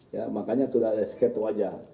ya makanya sudah ada sket wajah